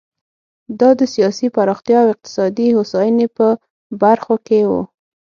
دا د سیاسي پراختیا او اقتصادي هوساینې په برخو کې و.